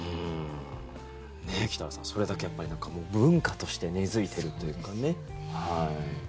北原さん、それだけ文化として根付いているというかね。